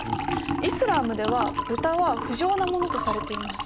イスラームでは豚は不浄なものとされています。